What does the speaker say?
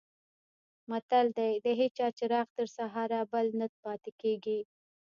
متل دی: د هېچا چراغ تر سهاره بل نه پاتې کېږي.